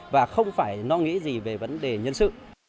và không phải no nghĩ gì về vấn đề nhân sự